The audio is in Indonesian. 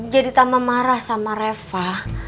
jadi tambah marah sama reva